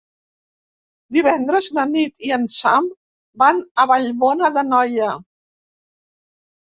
Divendres na Nit i en Sam van a Vallbona d'Anoia.